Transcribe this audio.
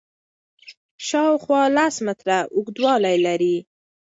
شاوخوا لس متره اوږدوالی لري.